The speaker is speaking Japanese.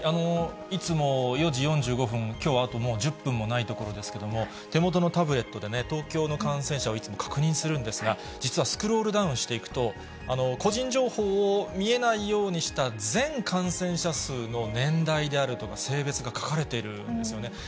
いつも４時４５分、きょうはあともう１０分もないところですけれども、手元のタブレットで東京の感染者をいつも確認するんですが、実はスクロールダウンしていくと、個人情報を見えないようにした全感染者数の年代であるとか、性別が書かれているんですよね。